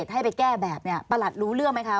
ให้ไปแก้แบบนี้ประหลัดรู้เรื่องไหมคะ